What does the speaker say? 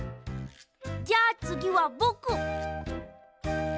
じゃあつぎはぼく！